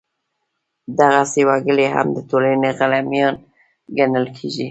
دغسې وګړي هم د ټولنې غلیمان ګڼل کېدل.